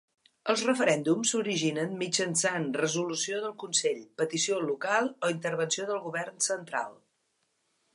Els referèndums s'originen mitjançant resolució del consell, petició local o intervenció del govern central.